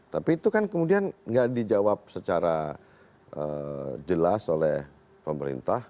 tapi itu kan kemudian nggak dijawab secara jelas oleh pemerintah